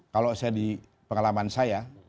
kalau saya di pengalaman saya